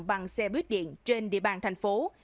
bằng xe bít điện trên địa bàn tp hcm